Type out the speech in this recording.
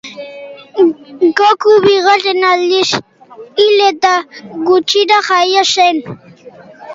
Goku bigarren aldiz hil eta gutxira jaio zen.